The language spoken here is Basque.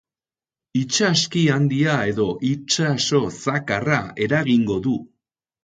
Itsaski handia edo itsaso zakarra eragingo du.